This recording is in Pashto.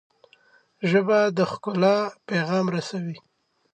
ژبه د ښکلا پیغام رسوي